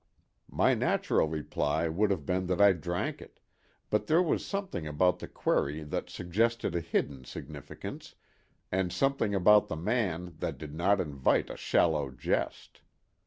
My natural reply would have been that I drank it, but there was something about the query that suggested a hidden significance, and something about the man that did not invite a shallow jest.